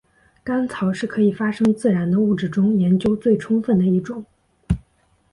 干草是可以发生自燃的物质中研究最充分的一种。